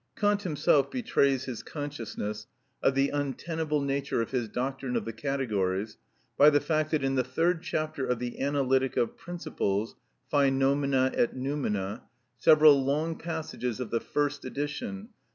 Kant himself betrays his consciousness of the untenable nature of his doctrine of the categories by the fact that in the third chapter of the Analytic of Principles (phænomena et noumena) several long passages of the first edition (p.